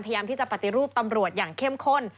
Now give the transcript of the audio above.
พยายามที่จะปฏิรูปตำรวจอย่างเข้มข้น